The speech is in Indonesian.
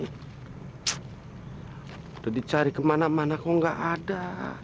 sudah dicari kemana mana kok nggak ada